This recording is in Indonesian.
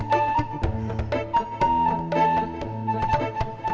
gudang kebelet belet aquellah suamiku